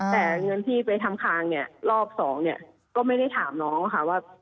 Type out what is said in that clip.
แต่เงินที่ไปทำทางรอบสองก็ไม่ได้ถามน้องว่า